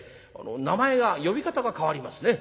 名前が呼び方が変わりますね。